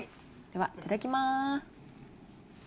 ではいただきます。